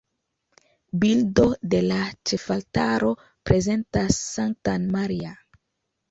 Bildo de la ĉefaltaro prezentas Sanktan Maria.